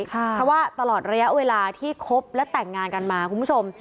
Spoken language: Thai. เพราะว่าตลอดระยะเวลาที่คบและแต่งงานกันมาคุณผู้ชม